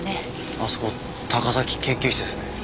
あそこ高崎研究室ですね。